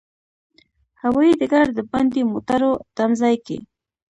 هوایي ډګر د باندې موټرو تمځای کې.